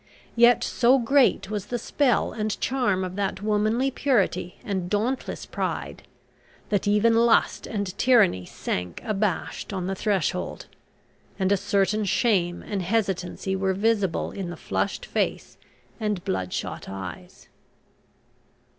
Yet so great was the spell and charm of that womanly purity and dauntless pride, that even lust and tyranny sank abashed on the threshold, and a certain shame and hesitancy were visible in the flushed face and bloodshot eyes.